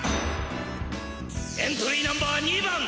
エントリーナンバー２番！